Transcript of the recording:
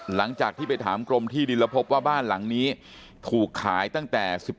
หลังจากที่ไปถามกรมที่ดินแล้วพบว่าบ้านหลังนี้ถูกขายตั้งแต่๑๙